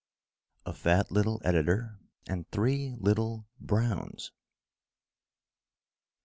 A FAT LITTLE EDITOR AND THREE LITTLE "BROWNS."